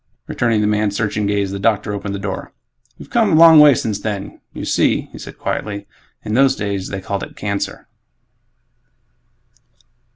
Returning the man's searching gaze, the doctor opened the door, "We've come a long way since then. You see," he said quietly, "in those days they called it 'cancer'."